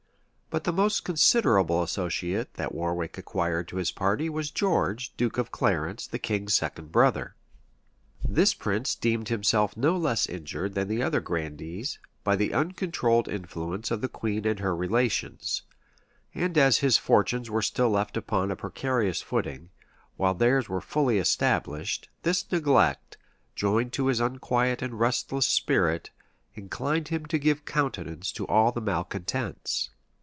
But the most considerable associate that Warwick acquired to his party, was George, duke of Clarence, the king's second brother. This prince deemed himself no less injured than the other grandees, by the uncontrolled influence of the queen and her relations; and as his fortunes were still left upon a precarious footing, while theirs were fully established, this neglect, joined to his unquiet and restless spirit, inclined him to give countenance to all the malecontents.